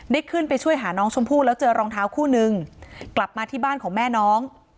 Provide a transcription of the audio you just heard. ได้ขึ้นไปช่วยหาน้องชมพู่แล้วเจอรองเท้าคู่นึงกลับมาที่บ้านของแม่น้อง